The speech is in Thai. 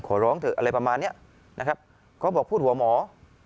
ขอร้องเถอะอะไรประมาณเนี้ยนะครับเขาบอกพูดหัวหมอ